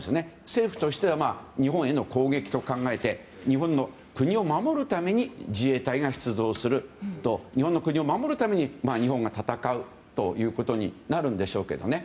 政府としては日本への攻撃と考えて日本の国を守るために自衛隊が出動すると日本の国を守るために日本が戦うということになるんでしょうけどね。